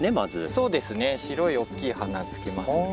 そうですね白いおっきい花つけますね。